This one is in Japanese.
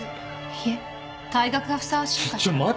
いえ退学がふさわしいかしら。